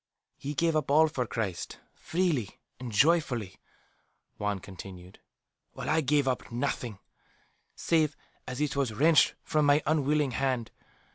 "He gave up all for Christ, freely and joyfully," Juan continued. "While I gave up nothing, save as it was wrenched from my unwilling hand.